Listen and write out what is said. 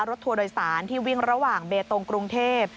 ทัวร์โดยสารที่วิ่งระหว่างเบตงกรุงเทพ